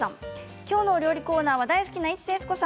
今日のお料理コーナーは大好きな市瀬悦子さん。